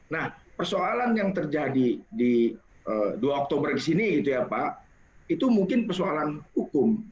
nah persoalan yang terjadi di dua oktober di sini itu mungkin persoalan hukum